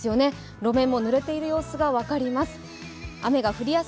路面も濡れている様子が分かります。